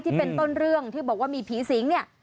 ที่เป็นต้นเรื่องที่บอกว่ามีผีสิงเนี่ย